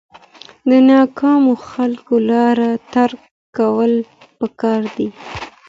د ناکامو خلکو لارې ترک کول پکار دي.